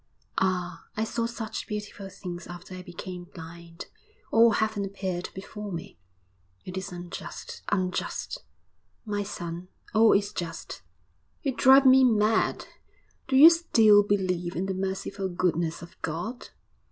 'Ah, I saw such beautiful things after I became blind all heaven appeared before me.' 'It is unjust unjust!' 'My son, all is just.' 'You drive me mad!... Do you still believe in the merciful goodness of God?'